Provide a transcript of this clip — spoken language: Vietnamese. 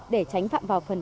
để tránh phạm vào phần